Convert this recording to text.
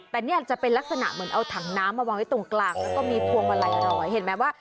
แต่เนี่ยจะเป็นลักษณะเหมือนเอาถังน้ำมาวางไว้ตรงกลางแล้วก็มีพวงมาลัยอร่อยเห็นไหมว่า